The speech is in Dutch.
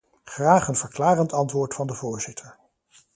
Graag een verklarend antwoord van de voorzitter.